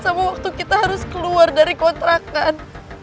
sama waktu kita harus keluar dari kontrakan